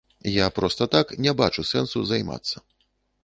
Я проста так не бачу сэнсу займацца.